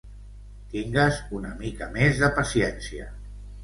Tingues una mica més de paciència.